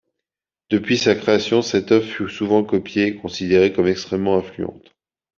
Depuis sa création, cette œuvre fut souvent copiée et considérée comme extrêmement influente.